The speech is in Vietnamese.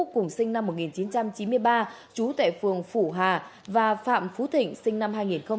cùng sinh năm một nghìn chín trăm chín mươi ba chú tệ phường phủ hà và phạm phú thịnh sinh năm hai nghìn ba